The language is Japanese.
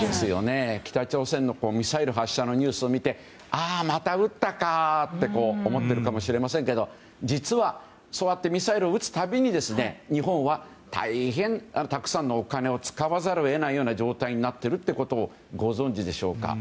北朝鮮のミサイル発射のニュースを見てあ、また撃ったかと思ってるかもしれませんけど実は、そうやってミサイルを撃つ度に日本は大変、たくさんのお金を使わざるを得ない状況になっているということをご存じでしょうか。